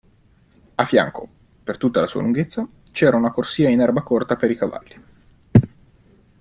A fianco, per tutta la sua lunghezza, c'era una corsia in erba corta per i cavalli.